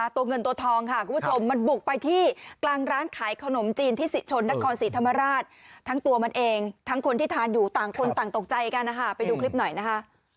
ตัวเงินตัวทองค่ะคุณผู้ชมมันบุกไปที่กลางร้านขายขนมจีนที่ศรีชนนครศรีธรรมราชทั้งตัวมันเองทั้งคนที่ทานอยู่ต่างคนต่างตกใจกันนะคะไปดูคลิปหน่อยนะคะ